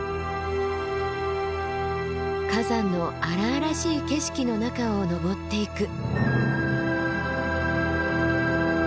火山の荒々しい景色の中を登っていく。